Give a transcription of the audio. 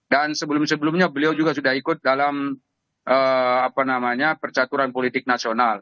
dan sebelum sebelumnya beliau juga sudah ikut dalam apa namanya percaturan politik nasional